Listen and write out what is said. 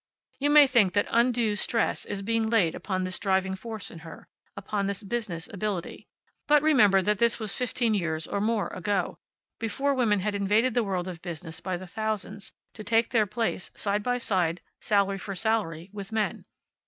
You may think that undue stress is being laid upon this driving force in her, upon this business ability. But remember that this was fifteen years or more ago, before women had invaded the world of business by the thousands, to take their place, side by side, salary for salary, with men.